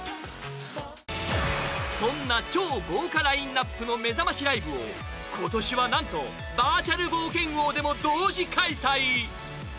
そんな超豪華ラインナップのめざましライブを今年は何とバーチャル冒険王でも同時開催。